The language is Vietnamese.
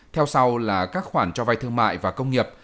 theo sau là các khoản cho vay thương mại và công nghiệp